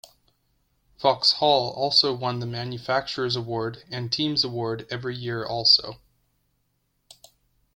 Vauxhall also won the Manufacturers Award and Teams Award every year also.